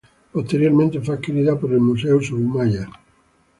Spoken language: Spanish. Posteriormente fue adquirida por el Museo Soumaya.